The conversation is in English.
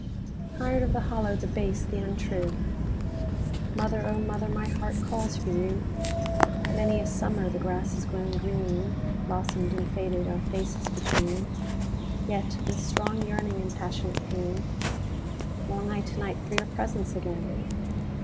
Tired of the hollow, the base, the untrue, Mother, O mother, my heart calls for you! Many a summer the grass has grown green, Blossomed and faded, our faces between:Yet, with strong yearning and passionate pain, Long I to night for your presence again.